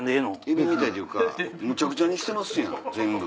エビみたいっていうかむちゃくちゃにしてますやん全部。